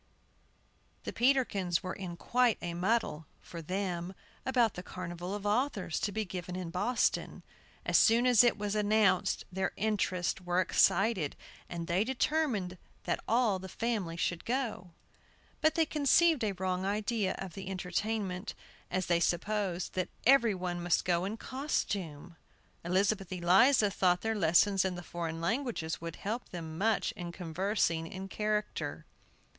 THE Peterkins were in quite a muddle (for them) about the carnival of authors, to be given in Boston. As soon as it was announced, their interests were excited, and they determined that all the family should go. But they conceived a wrong idea of the entertainment, as they supposed that every one must go in costume. Elizabeth Eliza thought their lessons in the foreign languages would help them much in conversing in character.